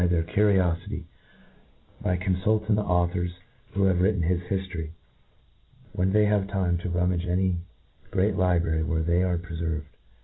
S9 jtheir curiofity by confulting the ;^uthors who Jaavc writtqn his hiftory, when they have time to rummage any great library w'here they are pre ferved.